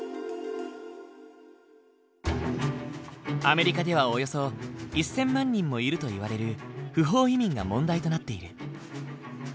アメリカではおよそ１，０００万人もいるといわれる不法移民が問題となっている。